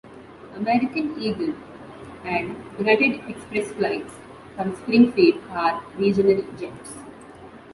American Eagle and United Express flights from Springfield are regional jets.